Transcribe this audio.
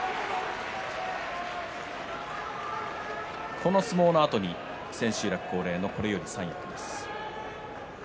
この相撲のあとに千秋楽恒例のこれより三役です。